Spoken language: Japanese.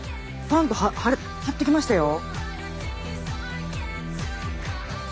パンと張ってきましたよ。